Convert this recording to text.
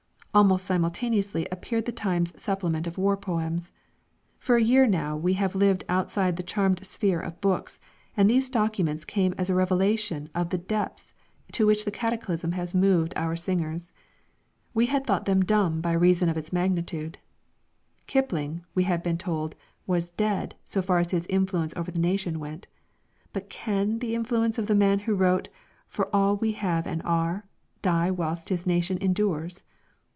Almost simultaneously appeared the Times supplement of war poems. For a year now we have lived outside the charmed sphere of books, and these documents came as a revelation of the depths to which the cataclysm has moved our singers. We had thought them dumb by reason of its magnitude. Kipling, we had been told, was "dead," so far as his influence over the nation went; but can the influence of the man who wrote "For all we have and are" die whilst his nation endures?